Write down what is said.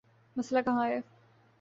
مسئلہ کہاں ہے؟